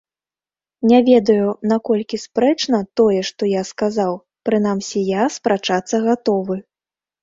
Не ведаю, наколькі спрэчна тое, што я сказаў, прынамсі, я спрачацца гатовы.